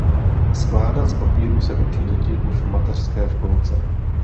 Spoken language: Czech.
Skládat z papíru se učí děti už v mateřské školce.